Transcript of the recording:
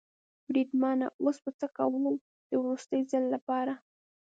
بریدمنه اوس به څه کوو؟ د وروستي ځل لپاره.